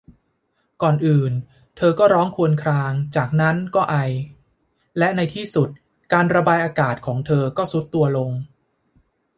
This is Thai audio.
ก่อนอื่นเธอก็ร้องครวญครางจากนั้นก็ไอและในที่สุดการระบายอากาศของเธอก็ทรุดตัวลง